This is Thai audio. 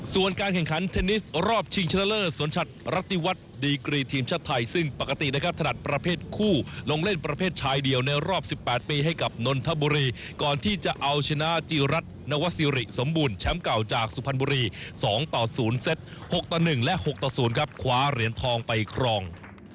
ส่วนการแข่งขันเทนนิสรอบชิงชนะเลิศสวนชัดรัติดีกรีทีมชาติไทยซึ่งปกตินะครับถนัดประเภทคู่ลงเล่นประเภทชายเดียวในรอบ๑๘ปีให้กับนนทบุรีก่อนที่จะเอาชนะจีรัฐนวซิริสมบูรณแชมป์เก่าจากสุพรรณบุรี๒ต่อ๐เซต๖ต่อ๑และ๖ต่อ๐ครับคว้าเหรียญทองไปครอง